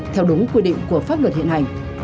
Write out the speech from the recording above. theo đúng quy định của pháp luật hiện hành